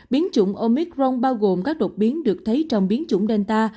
biến chủng omicron bao gồm các đột biến được thấy trong biến chủng delta